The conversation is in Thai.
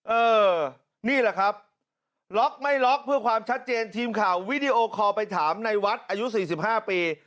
เออนี่แหละครับล็อกไม่ล็อกเพื่อความชัดเจนทีมข่าววิดีโอคอลไปถามในวัดอายุ๔๕ปี